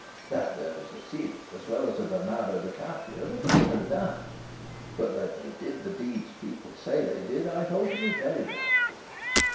That there was a Cid, as well as a Bernardo del Carpio, there can be no doubt; but that they did the deeds people say they did, I hold to be very doubtful.